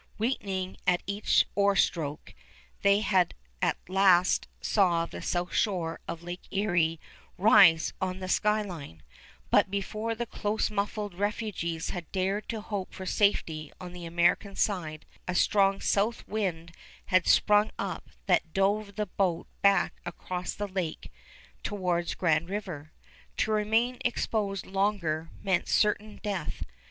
Weakening at each oar stroke, they at last saw the south shore of Lake Erie rise on the sky line; but before the close muffled refugees had dared to hope for safety on the American side, a strong south wind had sprung up that drove the boat back across the lake towards Grand River. To remain exposed longer meant certain death.